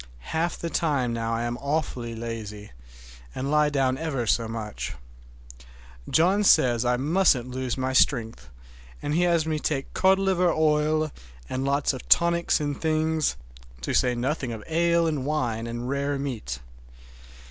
Half the time now I am awfully lazy, and lie down ever so much. John says I musn't lose my strength, and has me take cod liver oil and lots of tonics and things, to say nothing of ale and wine and rare meat.